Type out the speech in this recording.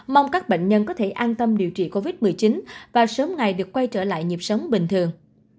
mong các bệnh nhân có thể an tâm điều trị covid một mươi chín và sớm ngày được quay trở lại nhịp sống bình thường